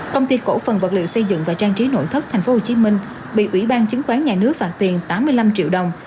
công ty cổ phần vật liệu xây dựng và trang trí nội thất tp hcm bị ủy ban chứng khoán nhà nước phạt tiền tám mươi năm triệu đồng